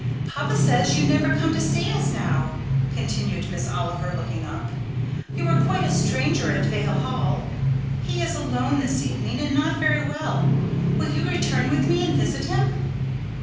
"Papa says you never come to see us now," continued Miss Oliver, looking up. "You are quite a stranger at Vale Hall. He is alone this evening, and not very well: will you return with me and visit him?"